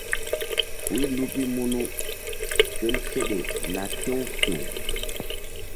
Huy luki munu sel seɗe na ki̧w ki̧w.